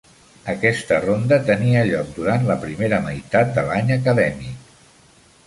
Aquesta ronda tenia lloc durant la primera meitat de l'any acadèmic.